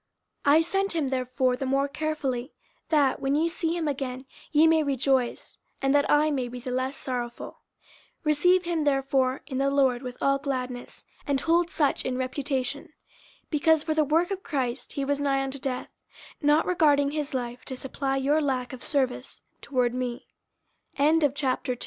50:002:028 I sent him therefore the more carefully, that, when ye see him again, ye may rejoice, and that I may be the less sorrowful. 50:002:029 Receive him therefore in the Lord with all gladness; and hold such in reputation: 50:002:030 Because for the work of Christ he was nigh unto death, not regarding his life, to supply your